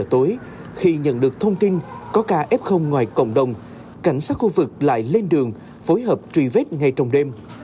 hai mươi h tối khi nhận được thông tin có ca f ngoài cộng đồng cảnh sát khu vực lại lên đường phối hợp truy vết ngay trong đêm